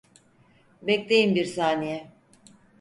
Bekleyin bir saniye!